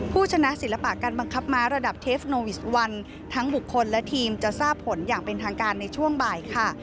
ผู้ชนะศิลปะการบังคับม้าระดับเทฟโนวิสวันทั้งบุคคลและทีมจะทราบผลอย่างเป็นทางการในช่วงบ่ายค่ะ